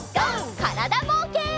からだぼうけん。